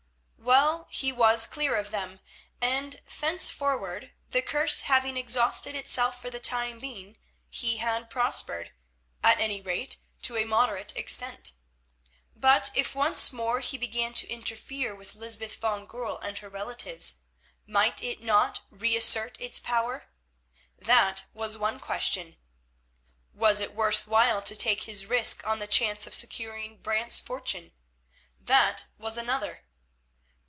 Well, he was clear of them, and thenceforward, the curse having exhausted itself for the time being, he had prospered—at any rate to a moderate extent. But if once more he began to interfere with Lysbeth van Goorl and her relatives, might it not re assert its power? That was one question. Was it worth while to take his risk on the chance of securing Brant's fortune? That was another.